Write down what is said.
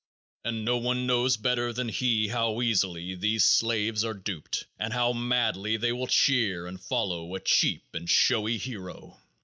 And no one knows better than he how easily these slaves are duped and how madly they will cheer and follow a cheap and showy "hero."